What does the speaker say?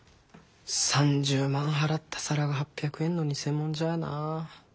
３０万払った皿が８００円の偽物じゃあな。